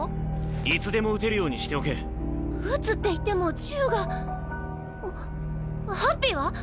いつでも撃てるようにしておけ撃つっていっても銃がハッピーは？